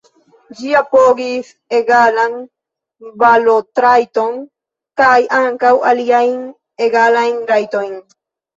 Ĝi apogis egalan balotrajton, kaj ankaŭ aliajn egalajn rajtojn.